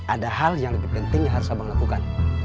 ada hal yang lebih penting yang harus abang lakukan